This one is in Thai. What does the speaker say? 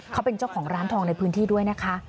เขาเป็นเจ้าของร้านทองในพื้นที่ด้วยนะคะ